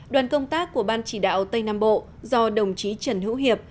đoàn công tác của ban chỉ đạo tây nam bộ do đồng chí trần hữu hiệp